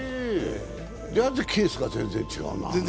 じゃ、ケースが全然違うな。